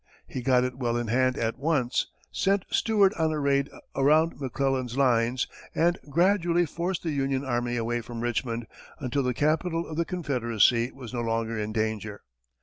He got it well in hand at once, sent Stuart on a raid around McClellan's lines, and gradually forced the Union army away from Richmond, until the capital of the Confederacy was no longer in danger.